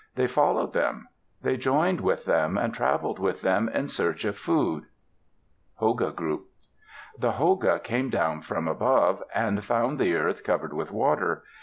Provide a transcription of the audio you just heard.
They followed them. They joined with them, and traveled with them in search of food. (Hoga group) The Hoga came down from above, and found the earth covered with water.